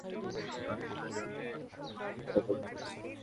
Chief, ও রুদ্র প্রতাপের আশেপাশে সন্দেহজনকভাবে ঘোরাফেরা করছিল।